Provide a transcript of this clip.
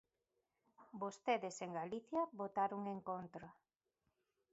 Vostedes en Galicia votaron en contra.